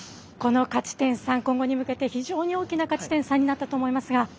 この勝ち点３、今後に向けて非常に大きい勝ち点３になったと思います。